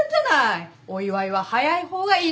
お祝いは早い方がいいのよ。